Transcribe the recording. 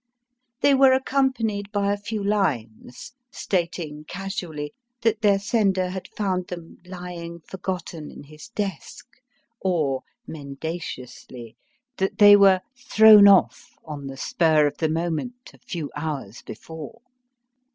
They were accompanied by a few lines stating, casually, that their sender had found them lying forgotten in his desk, or, mendaciously, that they were thrown off on the spur of the moment a few hours before.